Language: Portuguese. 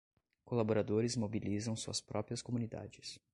Colaboradores mobilizam suas próprias comunidades